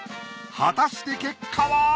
果たして結果は！？